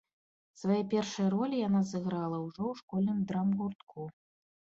Свае першыя ролі яна сыграла ўжо ў школьным драмгуртку.